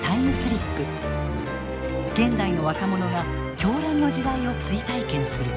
現代の若者が狂乱の時代を追体験する。